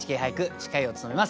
司会を務めます